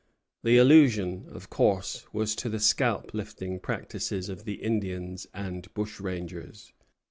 The allusion was of course to the scalp lifting practices of the Indians and bushrangers.